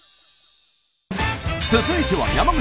続いては山口。